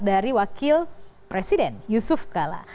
dari wakil presiden yusuf kala